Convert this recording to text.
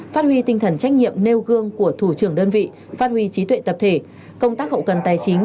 phát huy tinh thần trách nhiệm nêu gương của thủ trưởng đơn vị phát huy trí tuệ tập thể công tác hậu cần tài chính